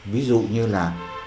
ví dụ như là